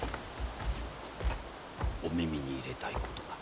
お耳に入れたいことが。